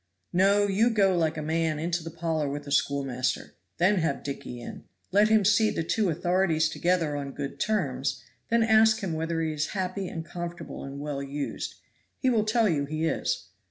No! you go like a man into the parlor with the schoolmaster then have Dicky in let him see the two authorities together on good terms then ask him whether he is happy and comfortable and well used. He will tell you he is.